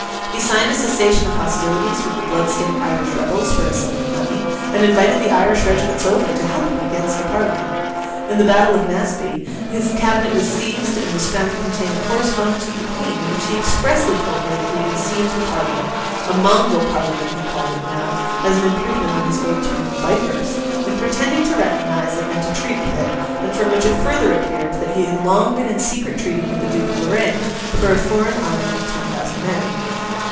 He signed a cessation of hostilities with the blood stained Irish rebels for a sum of money, and invited the Irish regiments over, to help him against the Parliament. In the battle of Naseby, his cabinet was seized and was found to contain a correspondence with the Queen, in which he expressly told her that he had deceived the Parliament—a mongrel Parliament, he called it now, as an improvement on his old term of vipers—in pretending to recognise it and to treat with it; and from which it further appeared that he had long been in secret treaty with the Duke of Lorraine for a foreign army of ten thousand men.